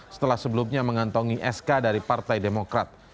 setelah sebelumnya mengantongi sk dari partai demokrat